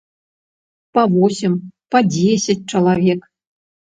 Па восем, па дзесяць чалавек.